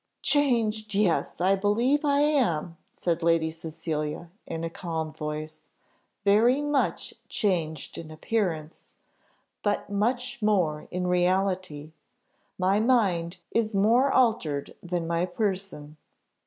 "Changed! yes! I believe I am," said Lady Cecilia, in a calm voice, "very much changed in appearance, but much more in reality; my mind is more altered than my person.